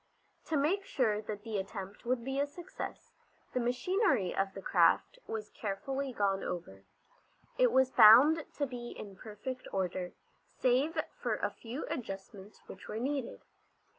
To make sure that the attempt would be a success, the machinery of the craft was carefully gone over. It was found to be in perfect order, save for a few adjustments which were needed.